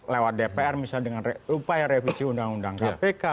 lewat dpr misalnya dengan upaya revisi undang undang kpk